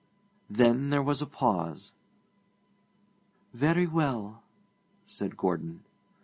Then there was a pause. 'Very well,' said Gordon.